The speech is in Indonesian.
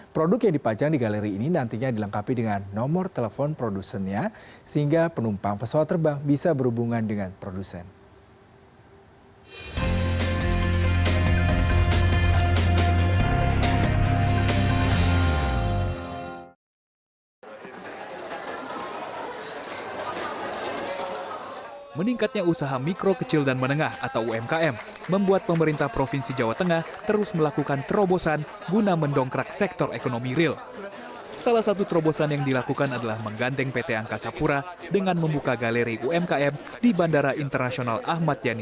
produk yang dipajang di galeri ini nantinya dilengkapi dengan nomor telepon produsennya sehingga penumpang pesawat terbang bisa berhubungan dengan produsen